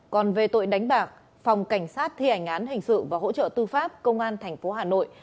còn về tội đánh bạc phòng cảnh sát thi hành án hình sự và hỗ trợ tư pháp công an tp hà nội